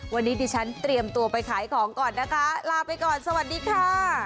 วันนี้ดิฉันเตรียมตัวไปขายของก่อนนะคะลาไปก่อนสวัสดีค่ะ